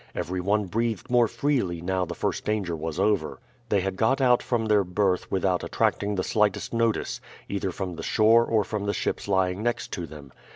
Every one breathed more freely now the first danger was over. They had got out from their berth without attracting the slightest notice, either from the shore or from the ships lying next to them.